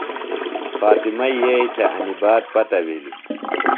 فاطمئی یئی تھےۡ انیۡ بات پتہ بِھلیۡ۔